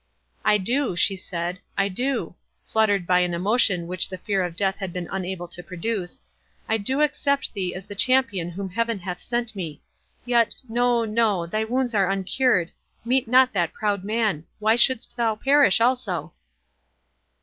"I do," she said—"I do," fluttered by an emotion which the fear of death had been unable to produce, "I do accept thee as the champion whom Heaven hath sent me. Yet, no—no—thy wounds are uncured—Meet not that proud man—why shouldst thou perish also?"